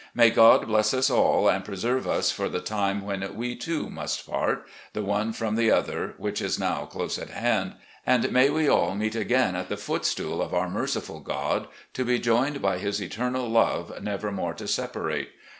May God bless us all and preserve us for the time when we, too, must part, the one from the other, which is now close at hand, and may we all meet again at the foot stool of our merciful God, to be joined by His eternal love never more to separate.